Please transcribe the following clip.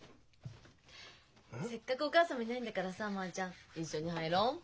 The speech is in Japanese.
せっかくお義母様いないんだからさまあちゃん一緒に入ろう？